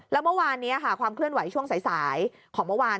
แล้วเมื่อวานนี้ค่ะความเคลื่อนไหวช่วงสายของเมื่อวาน